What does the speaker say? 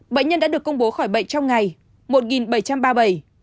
bệnh nhân đã được công bố khỏi bệnh trong ngày một bảy trăm ba mươi bảy